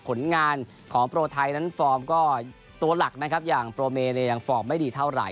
ผลงานของโปรไทยนั้นฟอร์มก็ตัวหลักนะครับอย่างโปรเมยังฟอร์มไม่ดีเท่าไห